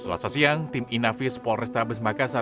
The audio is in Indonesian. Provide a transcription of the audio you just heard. selasa siang tim inafis polrestabes makassar